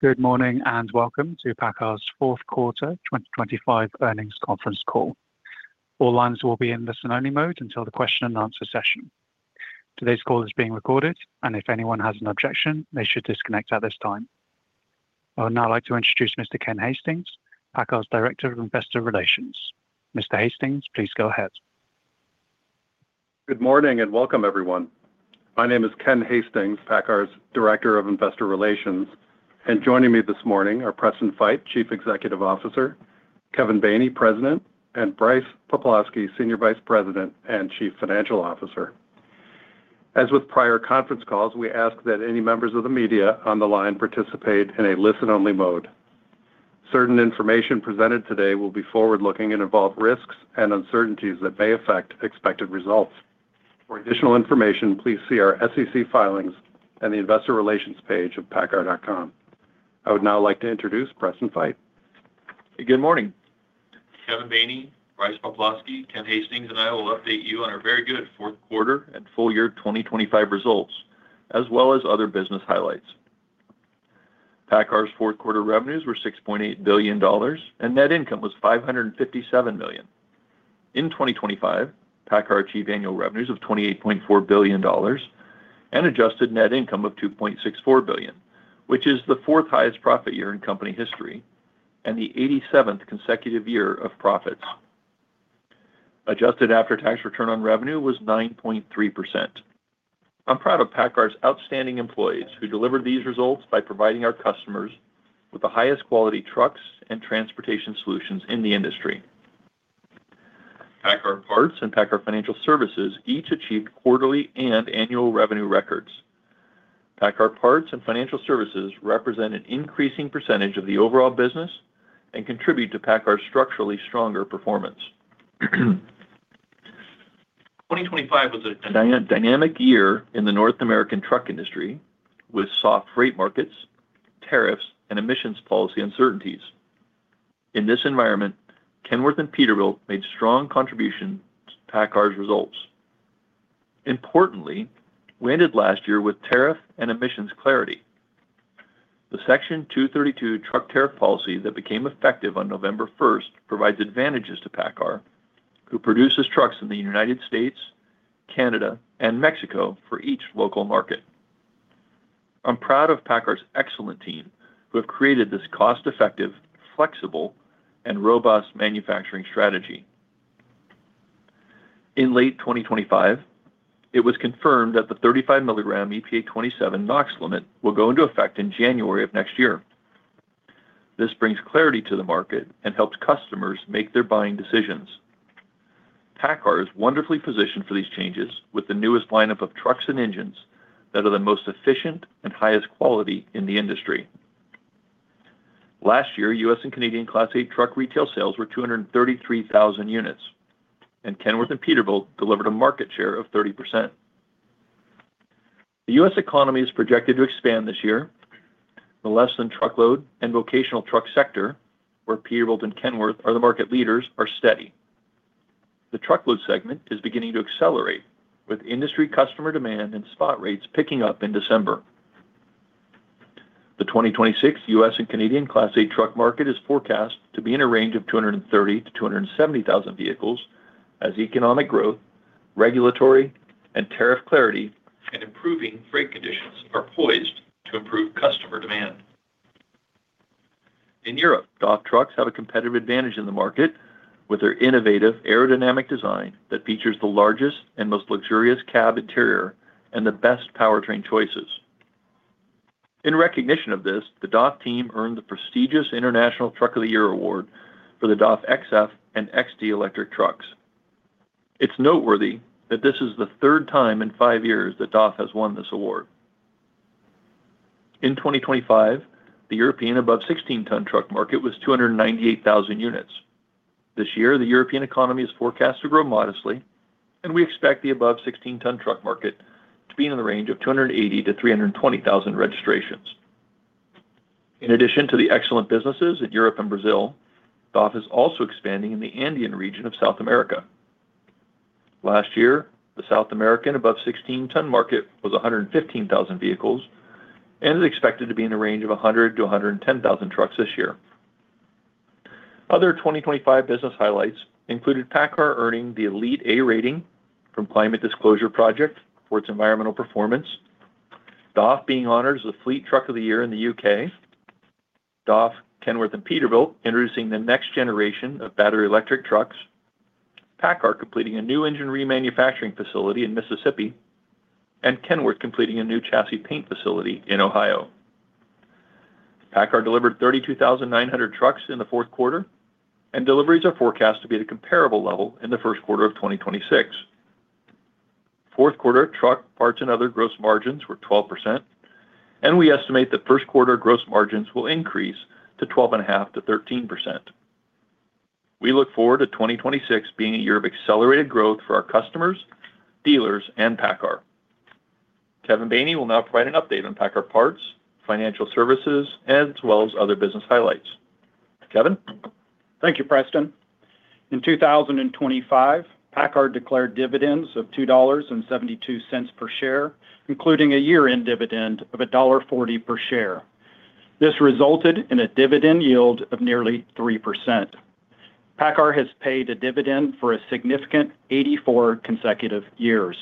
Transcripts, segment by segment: Good morning and welcome to PACCAR's Fourth Quarter 2025 Earnings Conference Call. All lines will be in listen-only mode until the question and answer session. Today's call is being recorded, and if anyone has an objection, they should disconnect at this time. I would now like to introduce Mr. Ken Hastings, PACCAR's Director of Investor Relations. Mr. Hastings, please go ahead. Good morning and welcome, everyone. My name is Ken Hastings, PACCAR's Director of Investor Relations, and joining me this morning are Preston Feight, Chief Executive Officer, Kevin Baney, President, and Brice Poplawski, Senior Vice President and Chief Financial Officer. As with prior conference calls, we ask that any members of the media on the line participate in a listen-only mode. Certain information presented today will be forward-looking and involve risks and uncertainties that may affect expected results. For additional information, please see our SEC filings and the Investor Relations page of PACCAR.com. I would now like to introduce Preston Feight. Good morning. Kevin Baney, Brice Poplawski, Ken Hastings, and I will update you on our very good fourth quarter and full year 2025 results, as well as other business highlights. PACCAR's fourth quarter revenues were $6.8 billion, and net income was $557 million. In 2025, PACCAR achieved annual revenues of $28.4 billion and adjusted net income of $2.64 billion, which is the fourth highest profit year in company history and the 87th consecutive year of profits. Adjusted after-tax return on revenue was 9.3%. I'm proud of PACCAR's outstanding employees who delivered these results by providing our customers with the highest quality trucks and transportation solutions in the industry. PACCAR Parts and PACCAR Financial Services each achieved quarterly and annual revenue records. PACCAR Parts and Financial Services represent an increasing percentage of the overall business and contribute to PACCAR's structurally stronger performance. 2025 was a dynamic year in the North American truck industry with soft freight markets, tariffs, and emissions policy uncertainties. In this environment, Kenworth and Peterbilt made strong contributions to PACCAR's results. Importantly, we ended last year with tariff and emissions clarity. The Section 232 truck tariff policy that became effective on November 1st provides advantages to PACCAR, who produces trucks in the United States, Canada, and Mexico for each local market. I'm proud of PACCAR's excellent team, who have created this cost-effective, flexible, and robust manufacturing strategy. In late 2025, it was confirmed that the 35 mg EPA 27 NOx limit will go into effect in January of next year. This brings clarity to the market and helps customers make their buying decisions. PACCAR is wonderfully positioned for these changes with the newest lineup of trucks and engines that are the most efficient and highest quality in the industry. Last year, U.S. and Canadian Class 8 truck retail sales were 233,000 units, and Kenworth and Peterbilt delivered a market share of 30%. The U.S. economy is projected to expand this year. The less-than-truckload and vocational truck sector, where Peterbilt and Kenworth are the market leaders, are steady. The truckload segment is beginning to accelerate, with industry customer demand and spot rates picking up in December. The 2026 U.S. and Canadian Class 8 truck market is forecast to be in a range of 230,000-270,000 vehicles as economic growth, regulatory, and tariff clarity and improving freight conditions are poised to improve customer demand. In Europe, DAF trucks have a competitive advantage in the market with their innovative aerodynamic design that features the largest and most luxurious cab interior and the best powertrain choices. In recognition of this, the DAF team earned the prestigious International Truck of the Year award for the DAF XF and XD Electric trucks. It's noteworthy that this is the third time in five years that DAF has won this award. In 2025, the European above-16-ton truck market was 298,000 units. This year, the European economy is forecast to grow modestly, and we expect the above-16-ton truck market to be in the range of 280,000-320,000 registrations. In addition to the excellent businesses in Europe and Brazil, DAF is also expanding in the Andean region of South America. Last year, the South American above-16-ton market was 115,000 vehicles and is expected to be in the range of 100,000-110,000 trucks this year. Other 2025 business highlights included PACCAR earning the Elite A rating from CDP for its environmental performance, DAF being honored as the Fleet Truck of the Year in the UK, DAF, Kenworth and Peterbilt introducing the next generation of battery-electric trucks, PACCAR completing a new engine remanufacturing facility in Mississippi, and Kenworth completing a new chassis paint facility in Ohio. PACCAR delivered 32,900 trucks in the fourth quarter, and deliveries are forecast to be at a comparable level in the first quarter of 2026. Fourth quarter truck parts and other gross margins were 12%, and we estimate that first quarter gross margins will increase to 12.5%-13%. We look forward to 2026 being a year of accelerated growth for our customers, dealers, and PACCAR. Kevin Baney will now provide an update on PACCAR Parts, Financial Services, as well as other business highlights. Kevin. Thank you, Preston. In 2025, PACCAR declared dividends of $2.72 per share, including a year-end dividend of $1.40 per share. This resulted in a dividend yield of nearly 3%. PACCAR has paid a dividend for a significant 84 consecutive years.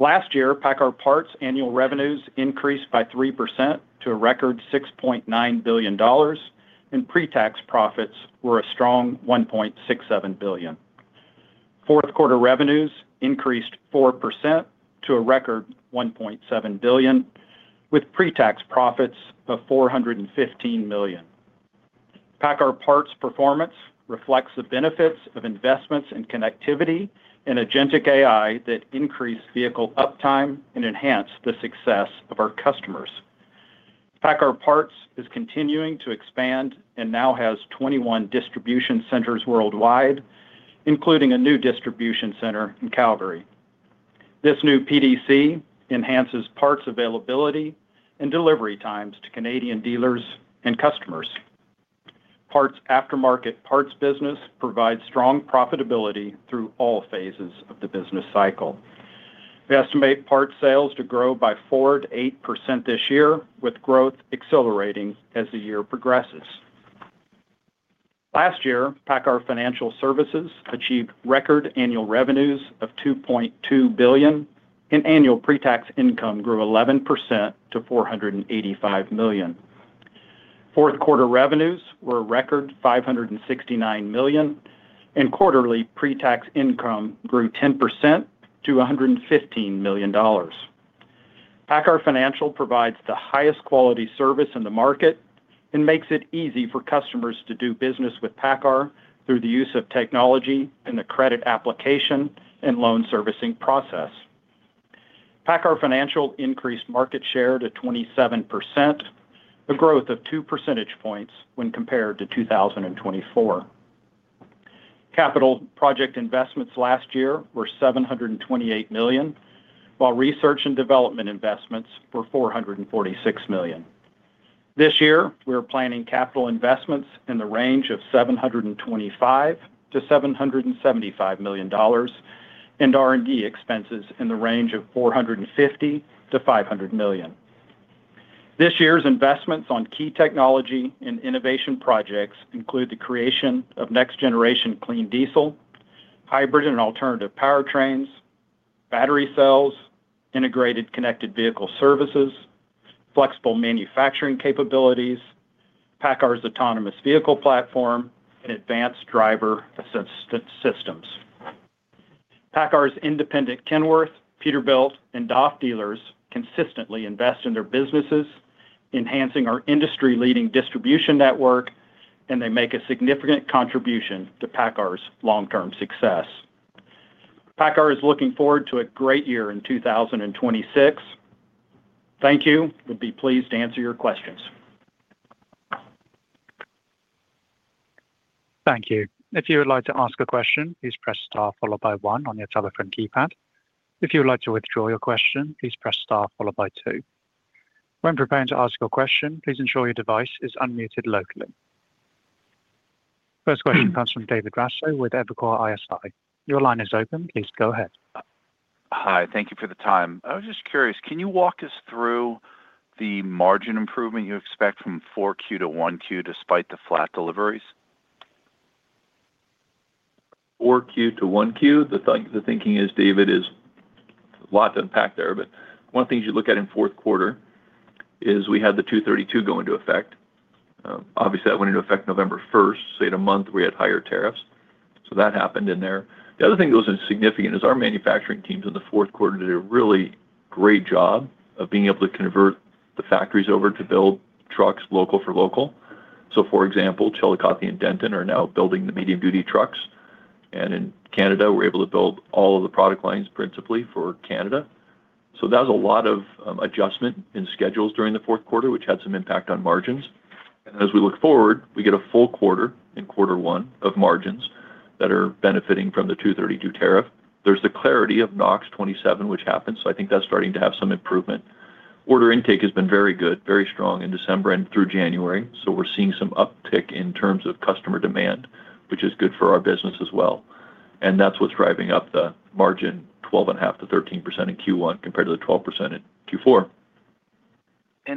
Last year, PACCAR Parts' annual revenues increased by 3% to a record $6.9 billion, and pre-tax profits were a strong $1.67 billion. Fourth quarter revenues increased 4% to a record $1.7 billion, with pre-tax profits of $415 million. PACCAR Parts' performance reflects the benefits of investments in connectivity and agentic AI that increase vehicle uptime and enhance the success of our customers. PACCAR Parts is continuing to expand and now has 21 distribution centers worldwide, including a new distribution center in Calgary. This new PDC enhances parts availability and delivery times to Canadian dealers and customers. PACCAR's aftermarket parts business provides strong profitability through all phases of the business cycle. We estimate parts sales to grow by 4%-8% this year, with growth accelerating as the year progresses. Last year, PACCAR Financial Services achieved record annual revenues of $2.2 billion, and annual pre-tax income grew 11% to $485 million. Fourth quarter revenues were a record $569 million, and quarterly pre-tax income grew 10% to $115 million. PACCAR Financial provides the highest quality service in the market and makes it easy for customers to do business with PACCAR through the use of technology and the credit application and loan servicing process. PACCAR Financial increased market share to 27%, a growth of 2 percentage points when compared to 2024. Capital project investments last year were $728 million, while research and development investments were $446 million. This year, we are planning capital investments in the range of $725 million-$775 million and R&D expenses in the range of $450 million-$500 million. This year's investments on key technology and innovation projects include the creation of next-generation clean diesel, hybrid and alternative powertrains, battery cells, integrated connected vehicle services, flexible manufacturing capabilities, PACCAR's autonomous vehicle platform, and advanced driver assistance systems. PACCAR's independent Kenworth, Peterbilt, and DAF dealers consistently invest in their businesses, enhancing our industry-leading distribution network, and they make a significant contribution to PACCAR's long-term success. PACCAR is looking forward to a great year in 2026. Thank you. We'd be pleased to answer your questions. Thank you. If you would like to ask a question, please press star followed by one on your telephone keypad. If you would like to withdraw your question, please press star followed by two. When preparing to ask your question, please ensure your device is unmuted locally. First question comes from David Raso with Evercore ISI. Your line is open. Please go ahead. Hi. Thank you for the time. I was just curious, can you walk us through the margin improvement you expect from 4Q to 1Q despite the flat deliveries? 4Q to 1Q, the thinking is, David, is a lot to unpack there. But one of the things you look at in fourth quarter is we had Section 232 go into effect. Obviously, that went into effect November 1st, so you had a month where we had higher tariffs. So that happened in there. The other thing that was significant is our manufacturing teams in the fourth quarter did a really great job of being able to convert the factories over to build trucks local for local. So, for example, Chillicothe and Denton are now building the medium-duty trucks. And in Canada, we're able to build all of the product lines principally for Canada. So that was a lot of adjustment in schedules during the fourth quarter, which had some impact on margins. As we look forward, we get a full quarter in quarter one of margins that are benefiting from the 232 tariff. There's the clarity of NOx 27, which happened, so I think that's starting to have some improvement. Order intake has been very good, very strong in December and through January. We're seeing some uptick in terms of customer demand, which is good for our business as well. That's what's driving up the margin, 12.5%-13% in Q1 compared to the 12% in Q4.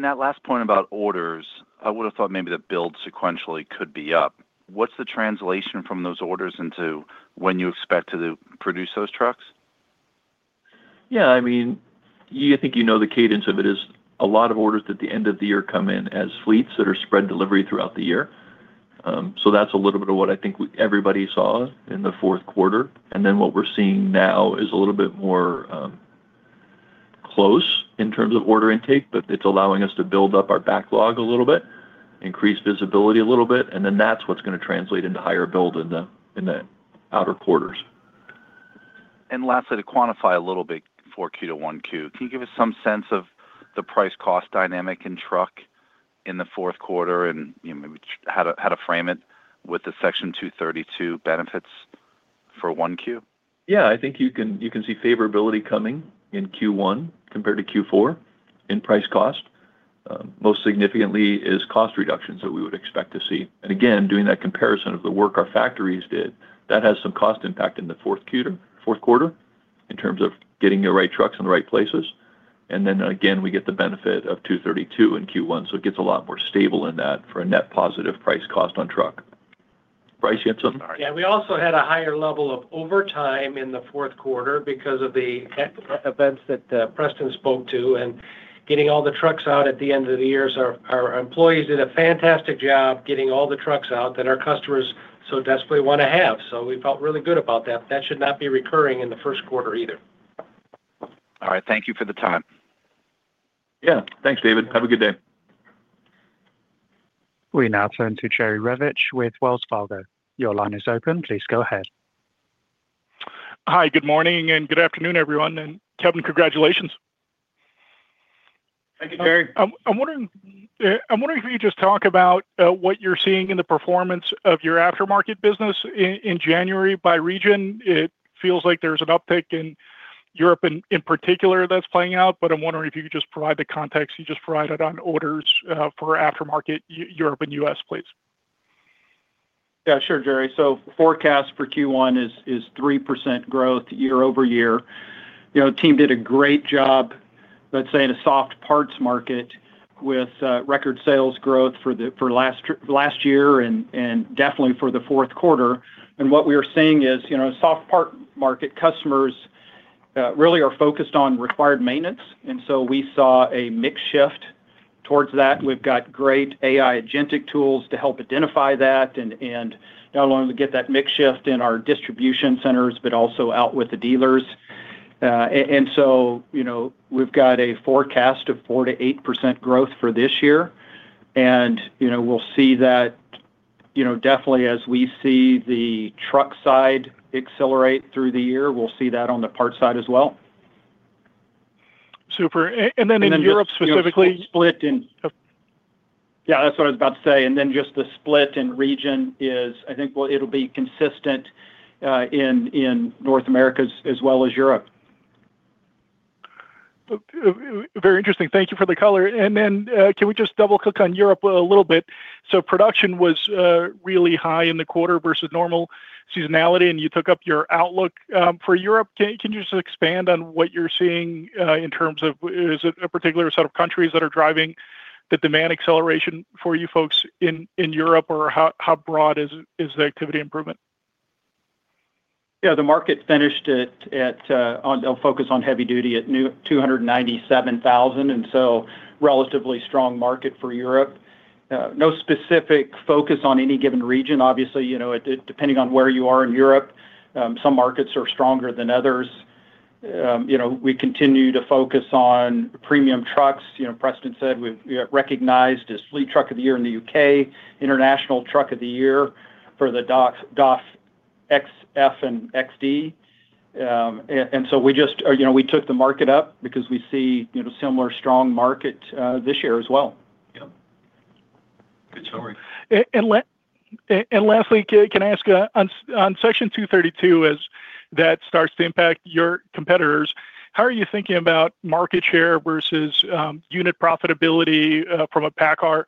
That last point about orders, I would have thought maybe the build sequentially could be up. What's the translation from those orders into when you expect to produce those trucks? Yeah. I mean, I think you know the cadence of it is a lot of orders at the end of the year come in as fleets that are spread delivery throughout the year. So that's a little bit of what I think everybody saw in the fourth quarter. And then what we're seeing now is a little bit more close in terms of order intake, but it's allowing us to build up our backlog a little bit, increase visibility a little bit, and then that's what's going to translate into higher build in the outer quarters. And lastly, to quantify a little bit 4Q to 1Q, can you give us some sense of the price-cost dynamic in truck in the fourth quarter and maybe how to frame it with the Section 232 benefits for 1Q? Yeah. I think you can see favorability coming in Q1 compared to Q4 in price-cost. Most significantly is cost reductions that we would expect to see. And again, doing that comparison of the work our factories did, that has some cost impact in the fourth quarter in terms of getting the right trucks in the right places. And then again, we get the benefit of 232 in Q1. So it gets a lot more stable in that for a net positive price-cost on truck. Price, you had some. Yeah. We also had a higher level of overtime in the fourth quarter because of the events that Preston spoke to and getting all the trucks out at the end of the year. Our employees did a fantastic job getting all the trucks out that our customers so desperately want to have. So we felt really good about that. That should not be recurring in the first quarter either. All right. Thank you for the time. Yeah. Thanks, David. Have a good day. We now turn to Jerry Revich with Wells Fargo. Your line is open. Please go ahead. Hi. Good morning and good afternoon, everyone. Kevin, congratulations. Thank you, Jerry. I'm wondering if you could just talk about what you're seeing in the performance of your aftermarket business in January by region. It feels like there's an uptick in Europe in particular that's playing out, but I'm wondering if you could just provide the context you just provided on orders for aftermarket Europe and U.S., please. Yeah. Sure, Jerry. So forecast for Q1 is 3% growth year-over-year. The team did a great job, let's say, in a soft parts market with record sales growth for last year and definitely for the fourth quarter. And what we are seeing is soft part market customers really are focused on required maintenance. And so we saw a mix shift towards that. We've got great agentic AI tools to help identify that and not only get that mix shift in our distribution centers, but also out with the dealers. And so we've got a forecast of 4%-8% growth for this year. And we'll see that definitely as we see the truck side accelerate through the year, we'll see that on the part side as well. Super. And then in Europe specifically. And then the split in. Yeah, that's what I was about to say. And then just the split in region is. I think it'll be consistent in North America as well as Europe. Very interesting. Thank you for the color. And then can we just double-click on Europe a little bit? So production was really high in the quarter versus normal seasonality, and you took up your outlook for Europe. Can you just expand on what you're seeing in terms of is it a particular set of countries that are driving the demand acceleration for you folks in Europe, or how broad is the activity improvement? Yeah. The market finished at, I'll focus on heavy duty, at 297,000, and so relatively strong market for Europe. No specific focus on any given region. Obviously, depending on where you are in Europe, some markets are stronger than others. We continue to focus on premium trucks. Preston said we recognized as Fleet Truck of the Year in the U.K., International Truck of the Year for the DAF XF and XD. And so we took the market up because we see similar strong market this year as well. Yeah. Good story. And lastly, can I ask, on Section 232, as that starts to impact your competitors, how are you thinking about market share versus unit profitability from a PACCAR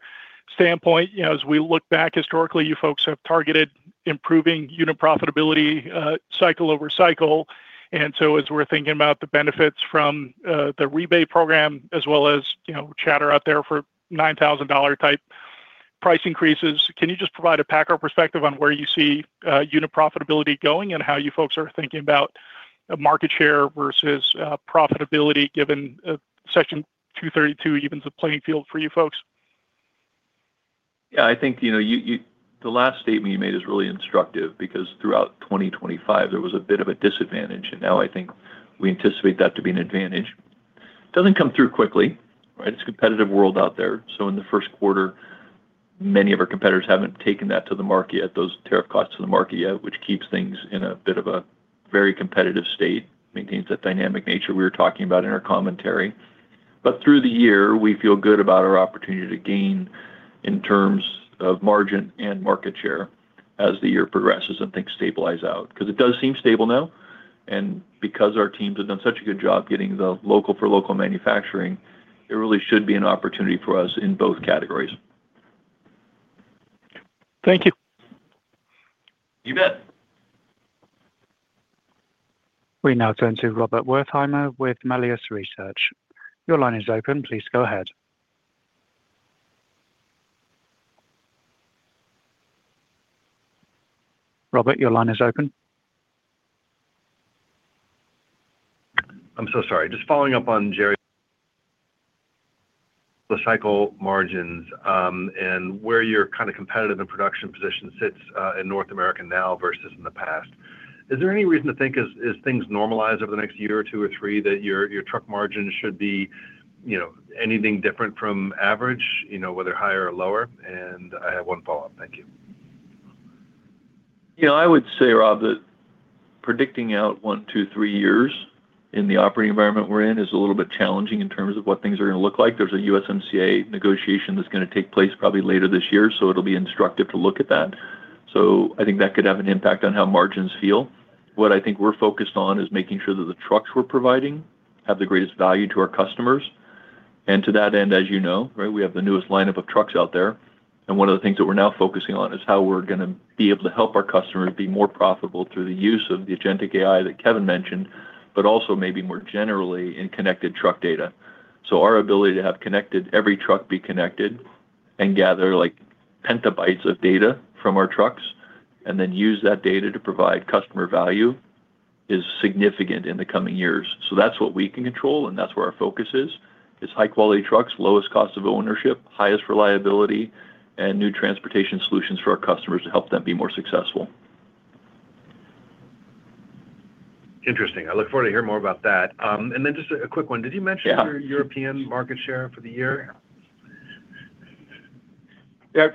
standpoint? As we look back historically, you folks have targeted improving unit profitability cycle over cycle. And so as we're thinking about the benefits from the rebate program as well as chatter out there for $9,000 type price increases, can you just provide a PACCAR perspective on where you see unit profitability going and how you folks are thinking about market share versus profitability given Section 232 evens a playing field for you folks? Yeah. I think the last statement you made is really instructive because throughout 2025, there was a bit of a disadvantage. And now I think we anticipate that to be an advantage. It doesn't come through quickly, right? It's a competitive world out there. So in the first quarter, many of our competitors haven't taken that to the market yet, those tariff costs to the market yet, which keeps things in a bit of a very competitive state, maintains that dynamic nature we were talking about in our commentary. But through the year, we feel good about our opportunity to gain in terms of margin and market share as the year progresses and things stabilize out. Because it does seem stable now. And because our teams have done such a good job getting the local for local manufacturing, it really should be an opportunity for us in both categories. Thank you. You bet. We now turn to Rob Wertheimer with Melius Research. Your line is open. Please go ahead. Rob, your line is open. I'm so sorry. Just following up on Jerry, the cycle margins and where your kind of competitive and production position sits in North America now versus in the past. Is there any reason to think as things normalize over the next year or two or three that your truck margin should be anything different from average, whether higher or lower? I have one follow-up. Thank you. Yeah. I would say, Rob, that predicting out one, two, three years in the operating environment we're in is a little bit challenging in terms of what things are going to look like. There's a USMCA negotiation that's going to take place probably later this year, so it'll be instructive to look at that. So I think that could have an impact on how margins feel. What I think we're focused on is making sure that the trucks we're providing have the greatest value to our customers. And to that end, as you know, right, we have the newest lineup of trucks out there. And one of the things that we're now focusing on is how we're going to be able to help our customers be more profitable through the use of the agentic AI that Kevin mentioned, but also maybe more generally in connected truck data. So our ability to have every truck be connected and gather petabytes of data from our trucks and then use that data to provide customer value is significant in the coming years. So that's what we can control, and that's where our focus is, is high-quality trucks, lowest cost of ownership, highest reliability, and new transportation solutions for our customers to help them be more successful. Interesting. I look forward to hearing more about that. And then just a quick one. Did you mention your European market share for the year?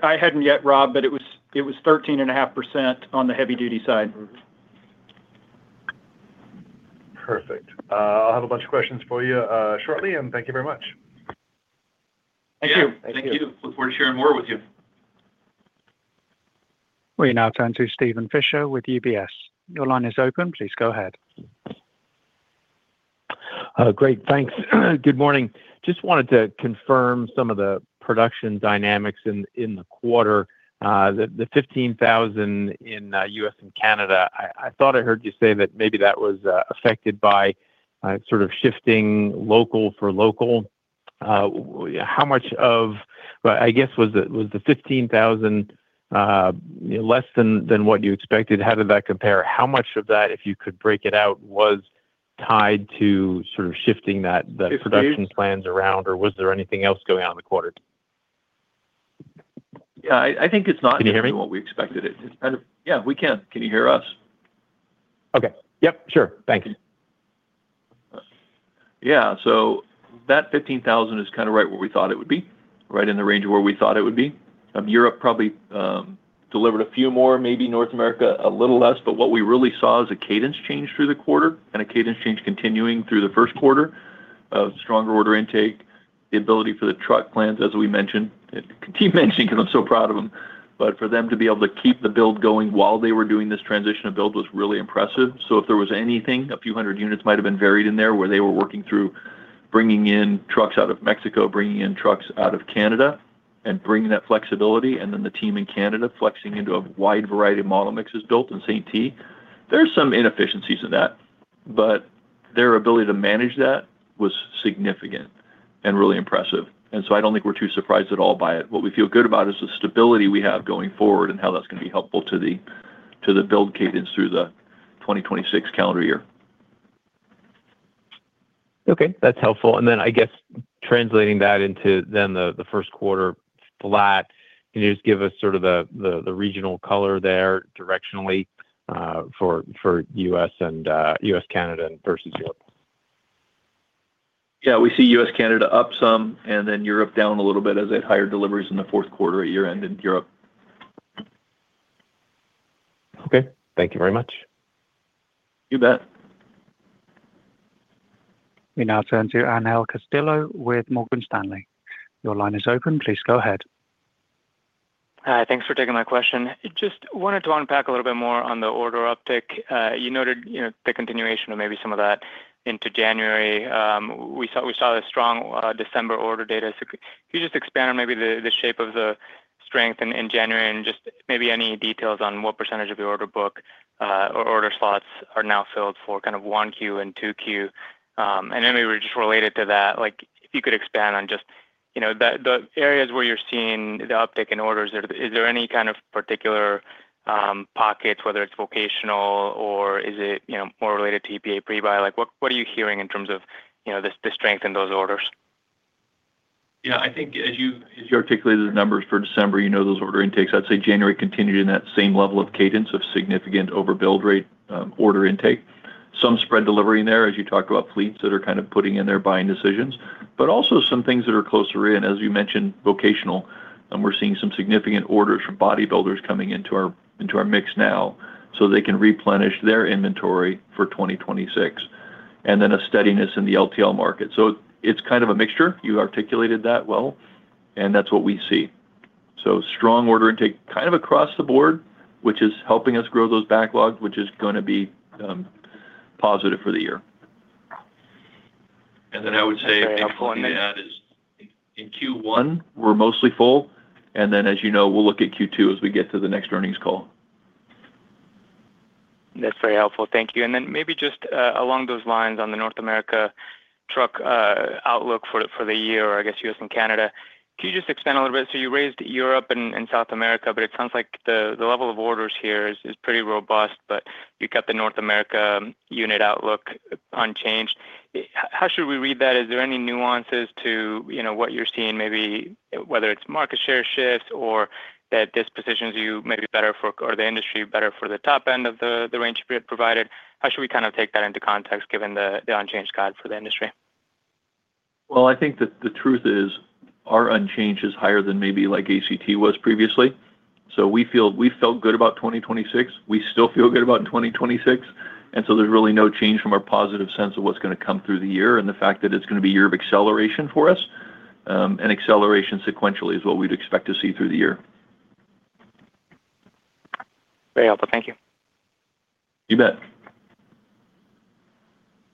I hadn't yet, Rob, but it was 13.5% on the heavy-duty side. Perfect. I'll have a bunch of questions for you shortly, and thank you very much. Thank you. Thank you. Look forward to sharing more with you. We now turn to Steven Fisher with UBS. Your line is open. Please go ahead. Great. Thanks. Good morning. Just wanted to confirm some of the production dynamics in the quarter. The 15,000 in U.S. and Canada, I thought I heard you say that maybe that was affected by sort of shifting local for local. How much of, I guess, was the 15,000 less than what you expected? How did that compare? How much of that, if you could break it out, was tied to sort of shifting that production plans around, or was there anything else going on in the quarter? Yeah. I think it's not. Can you hear me? What we expected. Yeah. We can. Can you hear us? Okay. Yep. Sure. Thanks. Yeah. So that 15,000 is kind of right where we thought it would be, right in the range of where we thought it would be. Europe probably delivered a few more, maybe North America a little less, but what we really saw is a cadence change through the quarter and a cadence change continuing through the first quarter of stronger order intake, the ability for the truck plants, as we mentioned. I keep mentioning because I'm so proud of them, but for them to be able to keep the build going while they were doing this transition of build was really impressive. So if there was anything, a few hundred units might have been buried in there where they were working through bringing in trucks out of Mexico, bringing in trucks out of Canada, and bringing that flexibility, and then the team in Canada flexing into a wide variety of model mixes built in St. T. There are some inefficiencies in that, but their ability to manage that was significant and really impressive. And so I don't think we're too surprised at all by it. What we feel good about is the stability we have going forward and how that's going to be helpful to the build cadence through the 2026 calendar year. Okay. That's helpful. And then I guess translating that into then the first quarter flat, can you just give us sort of the regional color there directionally for U.S. and U.S. Canada versus Europe? Yeah. We see U.S. Canada up some and then Europe down a little bit as they had higher deliveries in the fourth quarter at year-end in Europe. Okay. Thank you very much. You bet. We now turn to Angel Castillo with Morgan Stanley. Your line is open. Please go ahead. Hi. Thanks for taking my question. Just wanted to unpack a little bit more on the order uptick. You noted the continuation of maybe some of that into January. We saw a strong December order data. So could you just expand on maybe the shape of the strength in January and just maybe any details on what percentage of your order book or order slots are now filled for kind of 1Q and 2Q? And then we were just related to that, if you could expand on just the areas where you're seeing the uptick in orders, is there any kind of particular pockets, whether it's vocational or is it more related to EPA prebuy? What are you hearing in terms of the strength in those orders? Yeah. I think as you articulated the numbers for December, you know those order intakes. I'd say January continued in that same level of cadence of significant overbilled rate order intake. Some spread delivery in there as you talked about fleets that are kind of putting in their buying decisions, but also some things that are closer in. As you mentioned, vocational, and we're seeing some significant orders from bodybuilders coming into our mix now so they can replenish their inventory for 2026, and then a steadiness in the LTL market. So it's kind of a mixture. You articulated that well, and that's what we see. So strong order intake kind of across the board, which is helping us grow those backlogs, which is going to be positive for the year. And then I would say. Very helpful. Orders in Q1, we're mostly full. And then as you know, we'll look at Q2 as we get to the next earnings call. That's very helpful. Thank you. And then maybe just along those lines on the North America truck outlook for the year, I guess U.S. and Canada, can you just expand a little bit? So you raised Europe and South America, but it sounds like the level of orders here is pretty robust, but you kept the North America unit outlook unchanged. How should we read that? Is there any nuances to what you're seeing, maybe whether it's market share shifts or that this positions you maybe better for or the industry better for the top end of the range provided? How should we kind of take that into context given the unchanged guide for the industry? Well, I think the truth is our unchanged is higher than maybe like ACT was previously. So we felt good about 2026. We still feel good about 2026. And so there's really no change from our positive sense of what's going to come through the year and the fact that it's going to be a year of acceleration for us. And acceleration sequentially is what we'd expect to see through the year. Very helpful. Thank you. You bet.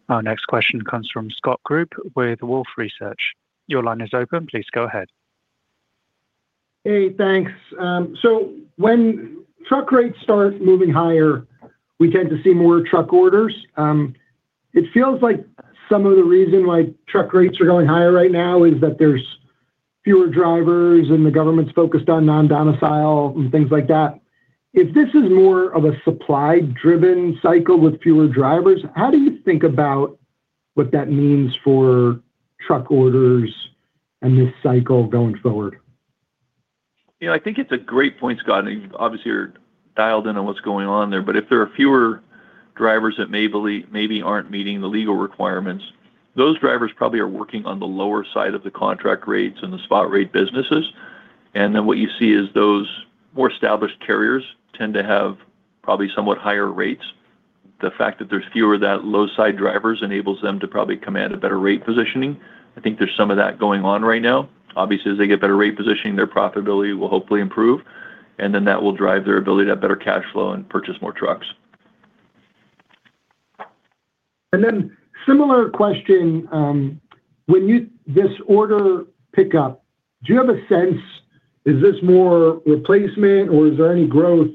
Our next question comes from Scott Group with Wolfe Research. Your line is open. Please go ahead. Hey, thanks. So when truck rates start moving higher, we tend to see more truck orders. It feels like some of the reason why truck rates are going higher right now is that there's fewer drivers and the government's focused on non-domicile and things like that. If this is more of a supply-driven cycle with fewer drivers, how do you think about what that means for truck orders and this cycle going forward? Yeah. I think it's a great point, Scott. Obviously, you're dialed in on what's going on there, but if there are fewer drivers that maybe aren't meeting the legal requirements, those drivers probably are working on the lower side of the contract rates and the spot rate businesses. And then what you see is those more established carriers tend to have probably somewhat higher rates. The fact that there's fewer of that low-side drivers enables them to probably command a better rate positioning. I think there's some of that going on right now. Obviously, as they get better rate positioning, their profitability will hopefully improve, and then that will drive their ability to have better cash flow and purchase more trucks. Similar question. When this order pickup, do you have a sense is this more replacement or is there any growth?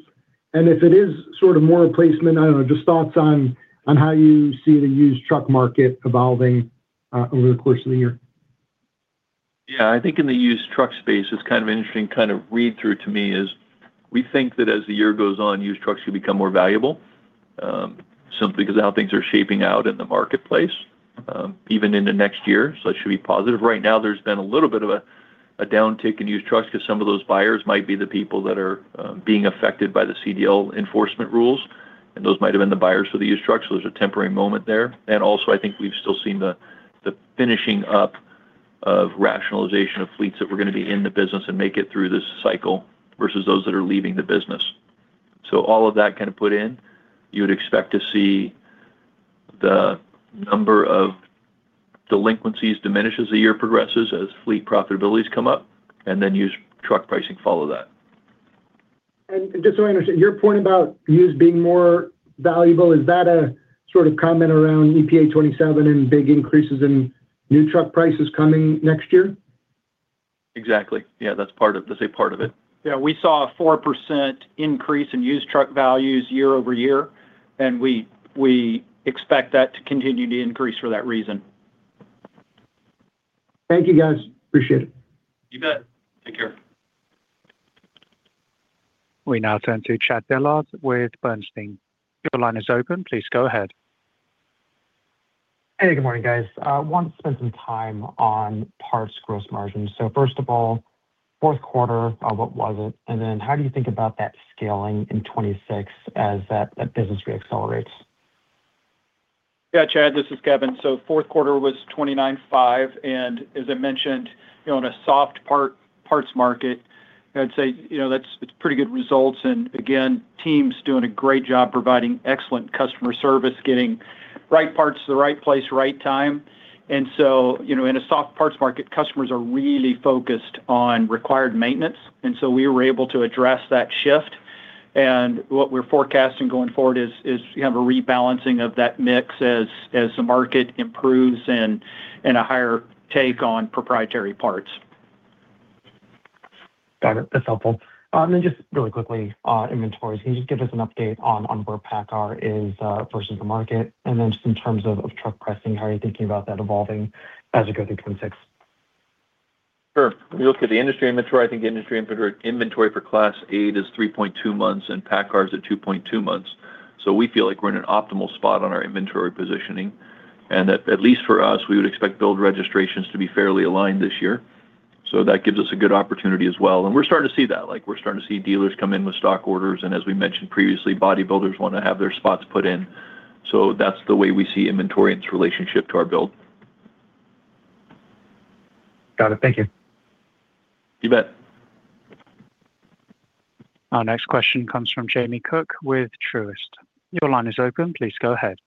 And if it is sort of more replacement, I don't know, just thoughts on how you see the used truck market evolving over the course of the year. Yeah. I think in the used truck space, it's kind of interesting kind of read-through to me is we think that as the year goes on, used trucks could become more valuable simply because of how things are shaping out in the marketplace, even in the next year. So that should be positive. Right now, there's been a little bit of a downtick in used trucks because some of those buyers might be the people that are being affected by the CDL enforcement rules, and those might have been the buyers for the used trucks. So there's a temporary moment there. And also, I think we've still seen the finishing up of rationalization of fleets that were going to be in the business and make it through this cycle versus those that are leaving the business. All of that kind of put in, you would expect to see the number of delinquencies diminish as the year progresses, as fleet profitabilities come up, and then used truck pricing follow that. Just so I understand, your point about used being more valuable, is that a sort of comment around EPA 2027 and big increases in new truck prices coming next year? Exactly. Yeah. That's a part of it. Yeah. We saw a 4% increase in used truck values year-over-year, and we expect that to continue to increase for that reason. Thank you, guys. Appreciate it. You bet. Take care. We now turn to Chad Dillard with Bernstein. Your line is open. Please go ahead. Hey, good morning, guys. I wanted to spend some time on parts gross margin. First of all, fourth quarter, what was it? And then how do you think about that scaling in 2026 as that business reaccelerates? Yeah, Chad, this is Kevin. So fourth quarter was 29.5. And as I mentioned, on a soft parts market, I'd say it's pretty good results. And again, teams doing a great job providing excellent customer service, getting right parts to the right place, right time. And so in a soft parts market, customers are really focused on required maintenance. And so we were able to address that shift. And what we're forecasting going forward is kind of a rebalancing of that mix as the market improves and a higher take on proprietary parts. Got it. That's helpful. And then just really quickly, inventories, can you just give us an update on where PACCAR is versus the market? And then just in terms of truck pricing, how are you thinking about that evolving as we go through 2026? Sure. When you look at the industry inventory, I think the industry inventory for Class 8 is 3.2 months, and PACCAR is at 2.2 months. So we feel like we're in an optimal spot on our inventory positioning. And at least for us, we would expect build registrations to be fairly aligned this year. So that gives us a good opportunity as well. And we're starting to see that. We're starting to see dealers come in with stock orders. And as we mentioned previously, bodybuilders want to have their spots put in. So that's the way we see inventory and its relationship to our build. Got it. Thank you. You bet. Our next question comes from Jamie Cook with Truist. Your line is open. Please go ahead.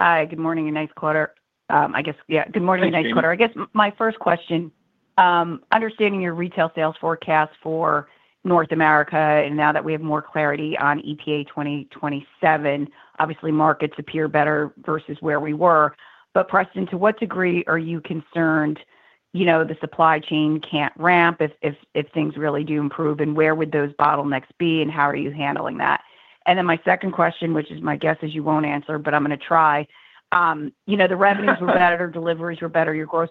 Hi. Good morning, everyone. I guess, yeah, good morning, everyone. I guess my first question, understanding your retail sales forecast for North America, and now that we have more clarity on EPA 2027, obviously, markets appear better versus where we were. But Preston, to what degree are you concerned the supply chain can't ramp if things really do improve? And where would those bottlenecks be, and how are you handling that? And then my second question, which is, my guess is you won't answer, but I'm going to try. The revenues were better, deliveries were better, your gross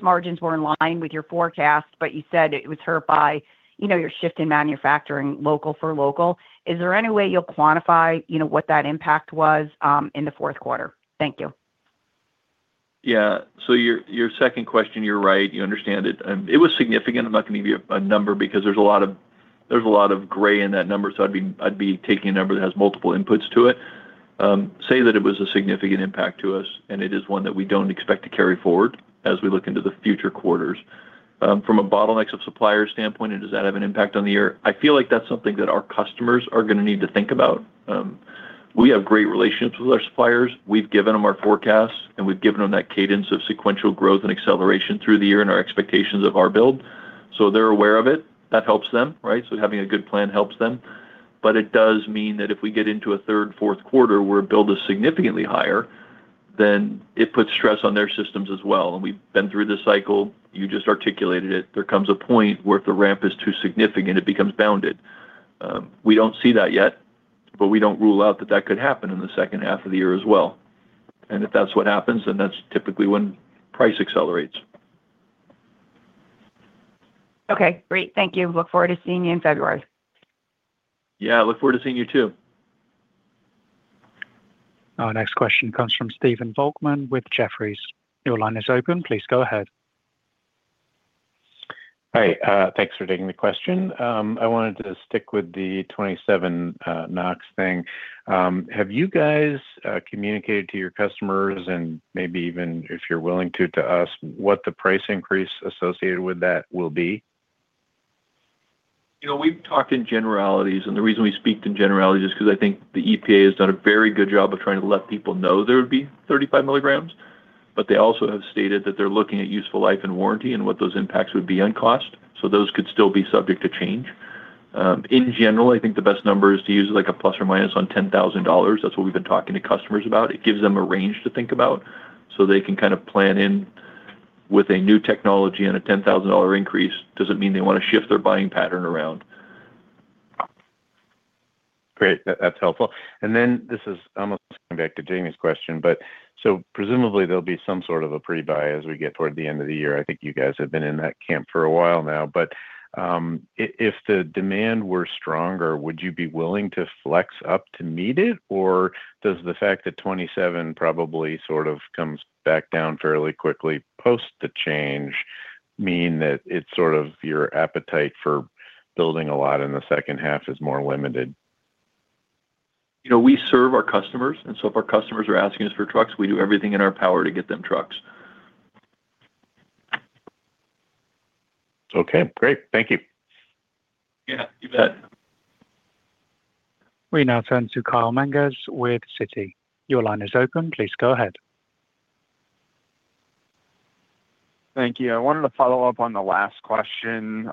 margins were in line with your forecast, but you said it was hurt by your shift in manufacturing local for local. Is there any way you'll quantify what that impact was in the fourth quarter? Thank you. Yeah. So your second question, you're right. You understand it. It was significant. I'm not going to give you a number because there's a lot of gray in that number, so I'd be taking a number that has multiple inputs to it. Say that it was a significant impact to us, and it is one that we don't expect to carry forward as we look into the future quarters. From a bottlenecks of suppliers standpoint, does that have an impact on the year? I feel like that's something that our customers are going to need to think about. We have great relationships with our suppliers. We've given them our forecasts, and we've given them that cadence of sequential growth and acceleration through the year and our expectations of our build. So they're aware of it. That helps them, right? So having a good plan helps them. But it does mean that if we get into a third, fourth quarter where build is significantly higher, then it puts stress on their systems as well. And we've been through this cycle. You just articulated it. There comes a point where if the ramp is too significant, it becomes bounded. We don't see that yet, but we don't rule out that that could happen in the second half of the year as well. And if that's what happens, then that's typically when price accelerates. Okay. Great. Thank you. Look forward to seeing you in February. Yeah. Look forward to seeing you too. Our next question comes from Stephen Volkmann with Jefferies. Your line is open. Please go ahead. Hi. Thanks for taking the question. I wanted to stick with the 2027 NOx thing. Have you guys communicated to your customers and maybe even, if you're willing to, to us, what the price increase associated with that will be? We've talked in generalities. The reason we speak in generalities is because I think the EPA has done a very good job of trying to let people know there would be 35 mg, but they also have stated that they're looking at useful life and warranty and what those impacts would be on cost. Those could still be subject to change. In general, I think the best number is to use ±$10,000. That's what we've been talking to customers about. It gives them a range to think about so they can kind of plan in with a new technology and a $10,000 increase doesn't mean they want to shift their buying pattern around. Great. That's helpful. And then this is almost going back to Jamie's question, but so presumably there'll be some sort of a prebuy as we get toward the end of the year. I think you guys have been in that camp for a while now. But if the demand were stronger, would you be willing to flex up to meet it, or does the fact that 2027 probably sort of comes back down fairly quickly post the change mean that sort of your appetite for building a lot in the second half is more limited? We serve our customers. So if our customers are asking us for trucks, we do everything in our power to get them trucks. Okay. Great. Thank you. Yeah. You bet. We now turn to Kyle Menges with Citi. Your line is open. Please go ahead. Thank you. I wanted to follow up on the last question.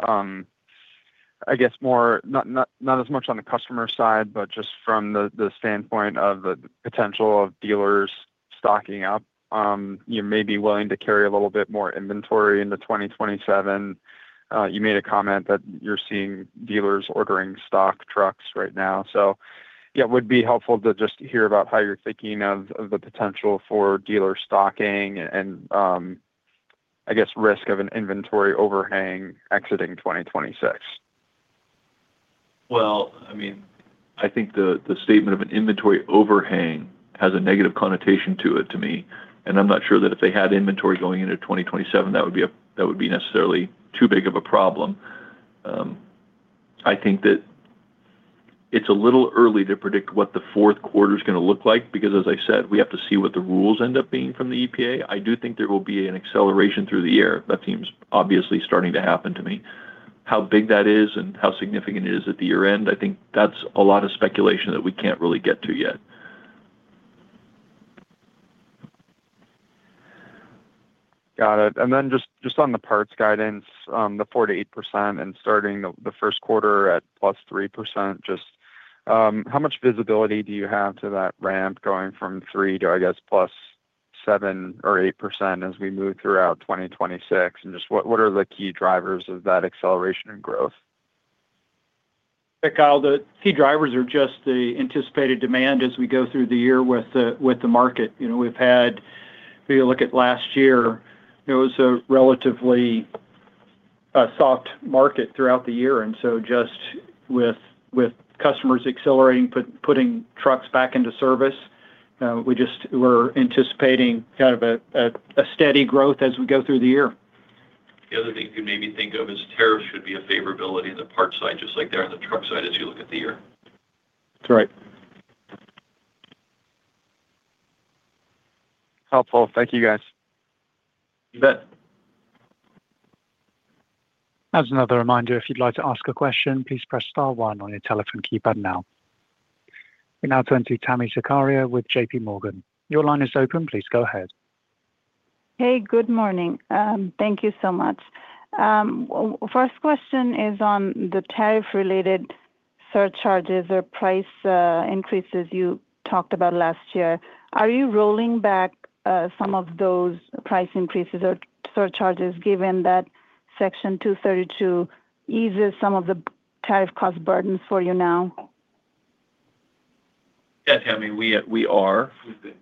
I guess not as much on the customer side, but just from the standpoint of the potential of dealers stocking up, you may be willing to carry a little bit more inventory into 2027. You made a comment that you're seeing dealers ordering stock trucks right now. So yeah, it would be helpful to just hear about how you're thinking of the potential for dealer stocking and, I guess, risk of an inventory overhang exiting 2026. Well, I mean, I think the statement of an inventory overhang has a negative connotation to it to me. And I'm not sure that if they had inventory going into 2027, that would be necessarily too big of a problem. I think that it's a little early to predict what the fourth quarter is going to look like because, as I said, we have to see what the rules end up being from the EPA. I do think there will be an acceleration through the year. That seems obviously starting to happen to me. How big that is and how significant it is at the year end, I think that's a lot of speculation that we can't really get to yet. Got it. And then just on the parts guidance, the 4%-8% and starting the first quarter at +3%, just how much visibility do you have to that ramp going from 3 to, I guess, +7% or 8% as we move throughout 2026? And just what are the key drivers of that acceleration in growth? Yeah, Kyle, the key drivers are just the anticipated demand as we go through the year with the market. We've had, if you look at last year, it was a relatively soft market throughout the year. So just with customers accelerating, putting trucks back into service, we're anticipating kind of a steady growth as we go through the year. The other thing you could maybe think of is tariffs should be a favorability on the parts side just like they're on the truck side as you look at the year. That's right. Helpful. Thank you, guys. You bet. As another reminder, if you'd like to ask a question, please press star one on your telephone keypad now. We now turn to Tami Zakaria with J.P. Morgan. Your line is open. Please go ahead. Hey, good morning. Thank you so much. First question is on the tariff-related surcharges or price increases you talked about last year. Are you rolling back some of those price increases or surcharges given that Section 232 eases some of the tariff cost burdens for you now? Yeah, Tami, we are.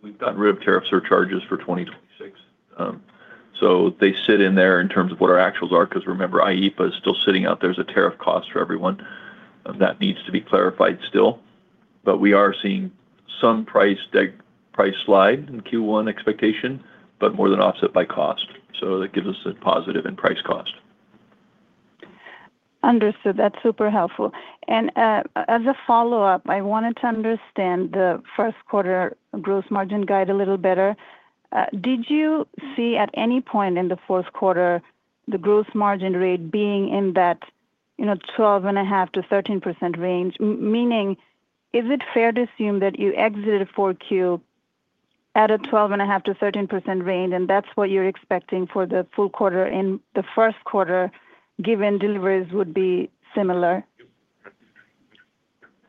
We've done road tariff surcharges for 2026. So they sit in there in terms of what our actuals are because remember, EPA is still sitting out there as a tariff cost for everyone. That needs to be clarified still. But we are seeing some price slide in Q1 expectation, but more than offset by cost. So that gives us a positive in price cost. Understood. That's super helpful. And as a follow-up, I wanted to understand the first quarter gross margin guide a little better. Did you see at any point in the fourth quarter the gross margin rate being in that 12.5%-13% range? Meaning, is it fair to assume that you exited a 4Q at a 12.5%-13% range, and that's what you're expecting for the full quarter in the first quarter given deliveries would be similar?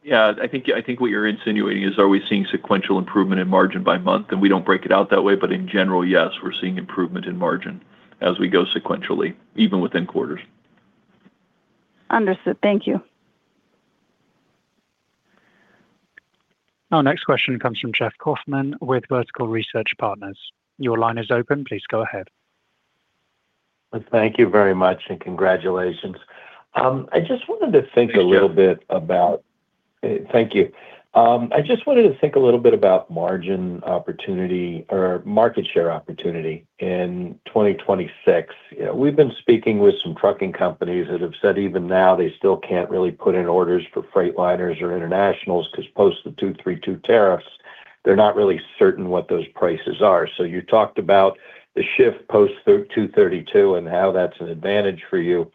Yeah. I think what you're insinuating is, are we seeing sequential improvement in margin by month? We don't break it out that way, but in general, yes, we're seeing improvement in margin as we go sequentially, even within quarters. Understood. Thank you. Our next question comes from Jeff Kauffman with Vertical Research Partners. Your line is open. Please go ahead. Thank you very much and congratulations. I just wanted to think a little bit about margin opportunity or market share opportunity in 2026. We've been speaking with some trucking companies that have said even now they still can't really put in orders for Freightliners or Internationals because post the 232 tariffs, they're not really certain what those prices are. So you talked about the shift post 232 and how that's an advantage for you.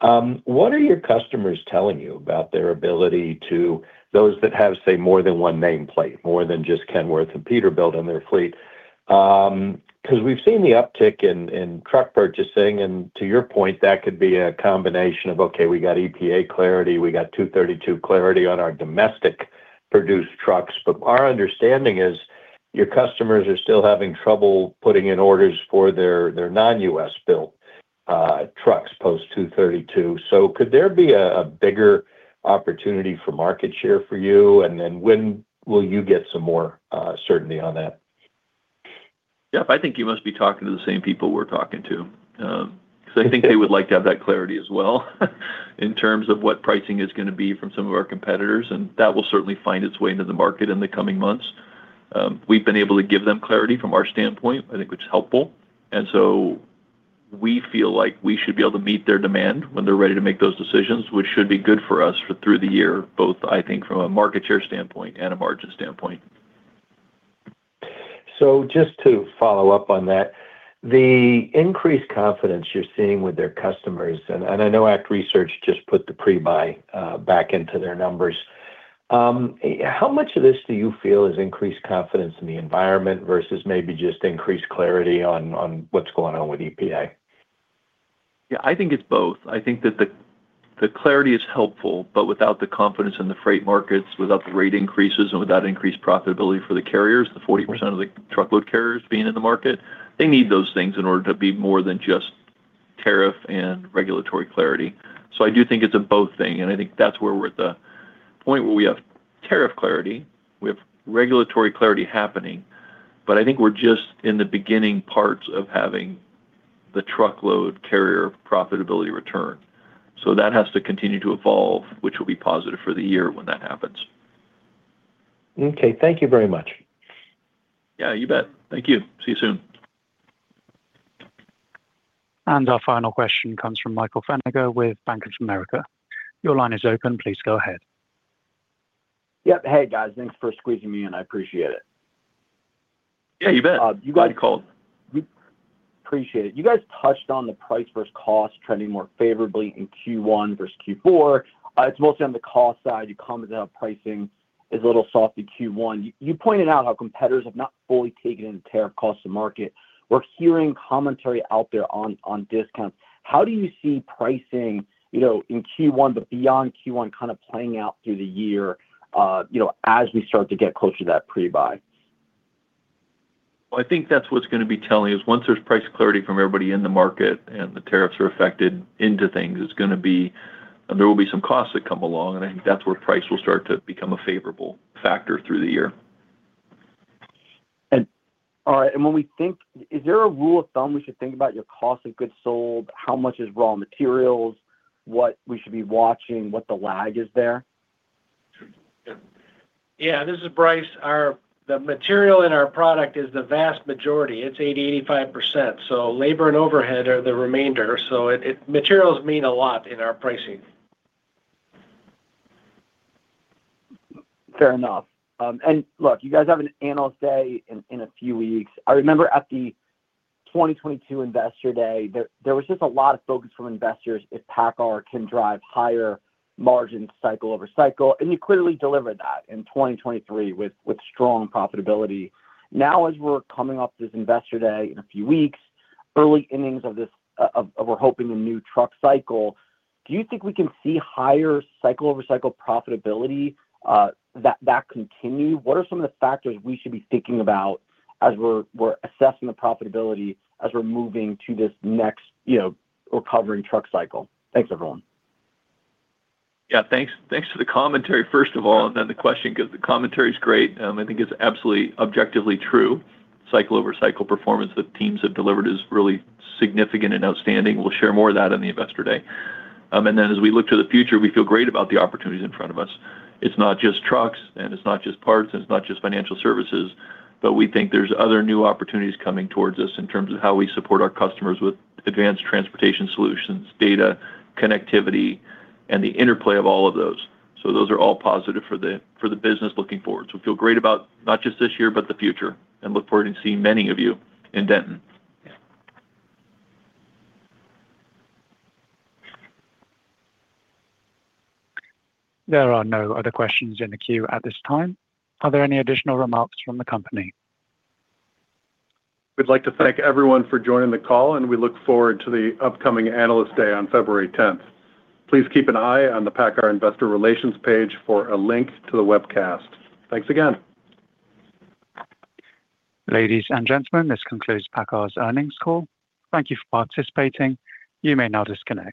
What are your customers telling you about their ability to, those that have, say, more than one nameplate, more than just Kenworth and Peterbilt in their fleet? Because we've seen the uptick in truck purchasing. To your point, that could be a combination of, okay, we got EPA clarity, we got 232 clarity on our domestic-produced trucks. Our understanding is your customers are still having trouble putting in orders for their non-US-built trucks post 232. Could there be a bigger opportunity for market share for you? When will you get some more certainty on that? Jeff, I think you must be talking to the same people we're talking to because I think they would like to have that clarity as well in terms of what pricing is going to be from some of our competitors. And that will certainly find its way into the market in the coming months. We've been able to give them clarity from our standpoint, I think, which is helpful. And so we feel like we should be able to meet their demand when they're ready to make those decisions, which should be good for us through the year, both, I think, from a market share standpoint and a margin standpoint. So just to follow up on that, the increased confidence you're seeing with their customers (and I know ACT Research just put the prebuy back into their numbers) how much of this do you feel is increased confidence in the environment versus maybe just increased clarity on what's going on with EPA? Yeah, I think it's both. I think that the clarity is helpful, but without the confidence in the freight markets, without the rate increases, and without increased profitability for the carriers, the 40% of the truckload carriers being in the market, they need those things in order to be more than just tariff and regulatory clarity. So I do think it's a both thing. And I think that's where we're at the point where we have tariff clarity, we have regulatory clarity happening, but I think we're just in the beginning parts of having the truckload carrier profitability return. So that has to continue to evolve, which will be positive for the year when that happens. Okay. Thank you very much. Yeah, you bet. Thank you. See you soon. Our final question comes from Michael Feniger with Bank of America. Your line is open. Please go ahead. Yep. Hey, guys. Thanks for squeezing me in. I appreciate it. Yeah, you bet. You got it. Appreciate it. You guys touched on the price versus cost trending more favorably in Q1 versus Q4. It's mostly on the cost side. You commented on pricing is a little soft in Q1. You pointed out how competitors have not fully taken in the tariff cost of the market. We're hearing commentary out there on discounts. How do you see pricing in Q1, but beyond Q1, kind of playing out through the year as we start to get closer to that prebuy? Well, I think that's what's going to be telling, is once there's price clarity from everybody in the market and the tariffs are affected into things. It's going to be, there will be some costs that come along. I think that's where price will start to become a favorable factor through the year. When we think, is there a rule of thumb we should think about your cost of goods sold, how much is raw materials, what we should be watching, what the lag is there? Yeah. This is Brice. The material in our product is the vast majority. It's 80%-85%. So labor and overhead are the remainder. So materials mean a lot in our pricing. Fair enough. And look, you guys have an analyst day in a few weeks. I remember at the 2022 Investor Day, there was just a lot of focus from investors if PACCAR can drive higher margins cycle over cycle. And you clearly delivered that in 2023 with strong profitability. Now, as we're coming off this Investor Day in a few weeks, early innings of this we're hoping a new truck cycle, do you think we can see higher cycle over cycle profitability that continue? What are some of the factors we should be thinking about as we're assessing the profitability as we're moving to this next recovering truck cycle? Thanks, everyone. Yeah. Thanks for the commentary, first of all. And then the question because the commentary is great. I think it's absolutely objectively true. Cycle over cycle performance that teams have delivered is really significant and outstanding. We'll share more of that on the Investor Day. And then as we look to the future, we feel great about the opportunities in front of us. It's not just trucks, and it's not just parts, and it's not just financial services, but we think there's other new opportunities coming towards us in terms of how we support our customers with advanced transportation solutions, data, connectivity, and the interplay of all of those. So those are all positive for the business looking forward. So feel great about not just this year, but the future. And look forward to seeing many of you in Denton. There are no other questions in the queue at this time. Are there any additional remarks from the company? We'd like to thank everyone for joining the call, and we look forward to the upcoming analyst day on February 10th. Please keep an eye on the PACCAR Investor Relations page for a link to the webcast. Thanks again. Ladies and gentlemen, this concludes PACCAR's earnings call. Thank you for participating. You may now disconnect.